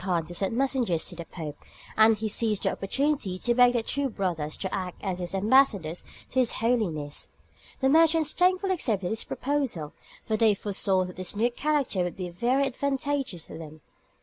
] It had occurred to Kublaï Khan to send messengers to the Pope; and he seized the opportunity to beg the two brothers to act as his ambassadors to his Holiness. The merchants thankfully accepted his proposal, for they foresaw that this new character would be very advantageous to them.